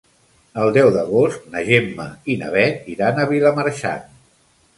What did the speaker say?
El deu d'agost na Gemma i na Bet iran a Vilamarxant.